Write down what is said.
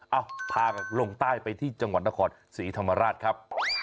เอ้าพาลงใต้ไปที่จังหวัดตะขอดสีธรรมานราชครับ